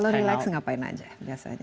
kalau relax ngapain aja biasa aja